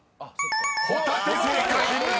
［「ホタテ」正解！］